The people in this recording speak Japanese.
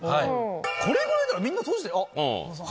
これぐらいならみんな閉じてる。